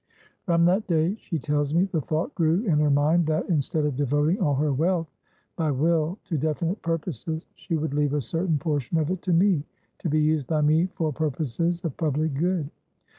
From that dayshe tells methe thought grew in her mind that, instead of devoting all her wealth, by will, to definite purposes, she would leave a certain portion of it to me, to be used by me for purposes of public good.